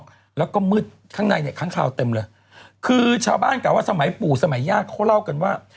แล้วก็มืดข้างในเนี่ยค้างคาวเต็มเลยคือชาวบ้านกล่าวว่าสมัยปู่สมัยย่าเขาเล่ากันว่า